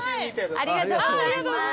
ありがとうございます。